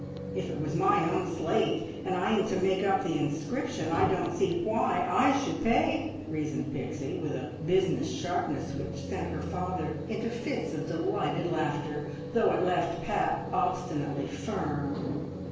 "If it was my own slate, and I am to make up the inscription, I don't see why I should pay!" reasoned Pixie, with a business sharpness which sent her father into fits of delighted laughter, though it left Pat obstinately firm.